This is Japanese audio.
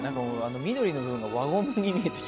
緑の部分が輪ゴムに見えてきますよね。